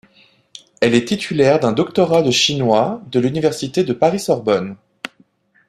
Elle est titulaire d’un doctorat de chinois de l’Université de Paris-Sorbonne.